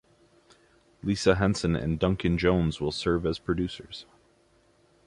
Lisa Henson and Duncan Jones will serve as producers.